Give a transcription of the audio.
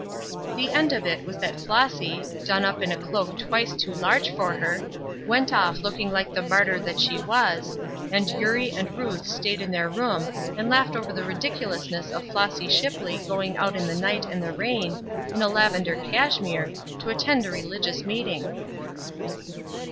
The end of it was that Flossy, done up in a cloak twice too large for her, went off looking like the martyr that she was, and Eurie and Ruth staid in their room and laughed over the ridiculousness of Flossy Shipley going out in the night and the rain, in a lavender cashmere, to attend a religious meeting!